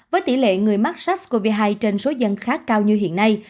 với tỷ lệ người mắc sars cov hai trên số dân khá cao như hiện nay